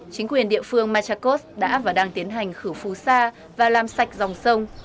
chính quyền địa phương machakos đã và đang tiến hành khử phu sa và làm sạch dòng sông